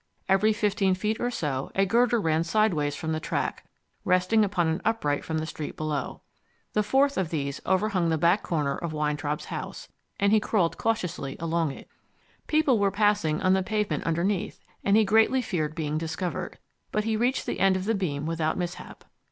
Every fifteen feet or so a girder ran sideways from the track, resting upon an upright from the street below. The fourth of these overhung the back corner of Weintraub's house, and he crawled cautiously along it. People were passing on the pavement underneath, and he greatly feared being discovered. But he reached the end of the beam without mishap.